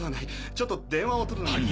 ちょっと電話を取るのに。